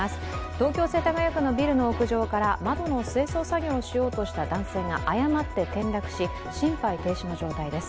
東京・世田谷区のビルの屋上から窓の清掃作業をしようとした男性が誤って転落し、心肺停止の状態です。